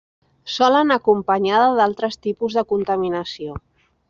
Sol anar acompanyada d'altres tipus de contaminació.